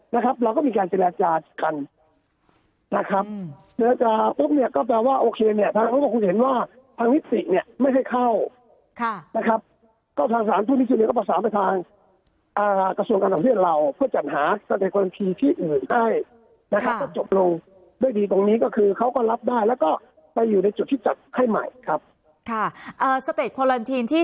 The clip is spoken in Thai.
นะครับเนื้อจาปุ๊บเนี่ยก็แปลว่าโอเคเนี่ยทางอุปทธิ์ก็คงเห็นว่าทางมิสติกเนี่ยไม่ให้เข้านะครับก็ทางศาสตร์ทุ่มิสินเนี่ยก็ประสานไปทางกระทรวงการสำเรื่องเราเพื่อจัดหาสเต็ดควารอนทีที่อื่นได้นะครับก็จบลงด้วยดีตรงนี้ก็คือเขาก็รับได้แล้วก็ไปอยู่ในจุดที่จัดให้ใหม่ครับค่ะสเต็ดควารอนที